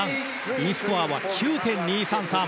Ｅスコア、９．２３３。